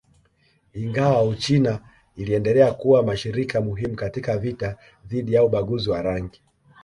Ingawa Uchina iliendelea kuwa mshirika muhimu katika vita dhidi ya ubaguzi wa rangi